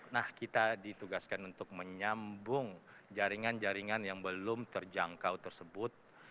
nah kita ditugaskan untuk menyambung jaringan jaringan yang belum terjangkau tersebut